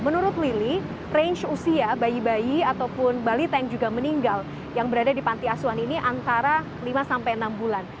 menurut lili range usia bayi bayi ataupun balita yang juga meninggal yang berada di panti asuhan ini antara lima sampai enam bulan